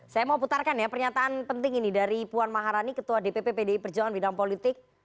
saya mau putarkan ya pernyataan penting ini dari puan maharani ketua dpp pdi perjuangan bidang politik